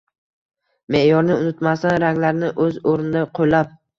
Me’yorni unutmasdan, ranglarni o‘z o‘rnida qo‘llab